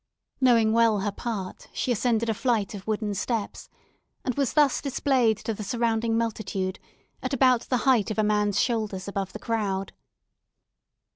Knowing well her part, she ascended a flight of wooden steps, and was thus displayed to the surrounding multitude, at about the height of a man's shoulders above the street.